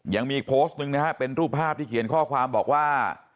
ยังมีอีกโพสต์หนึ่งนะฮะเป็นรูปภาพที่เขียนข้อความบอกว่า